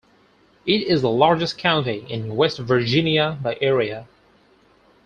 It is the largest county in West Virginia by area.